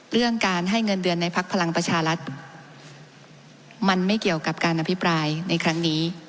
เรื่องการให้เงินเดือนในพักพลังประชารัฐมันไม่เกี่ยวกับการอภิปรายในครั้งนี้